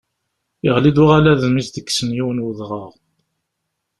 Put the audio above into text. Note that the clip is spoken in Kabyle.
Yeɣli-d uɣalad mi as-d-kksen yiwen n udɣaɣ.